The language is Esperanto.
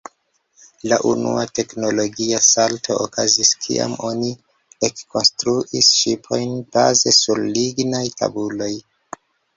La unua teknologia salto okazis kiam oni ekkonstruis ŝipojn baze sur lignaj tabuloj.